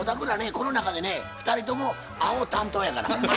この中でね２人ともあほ担当やから。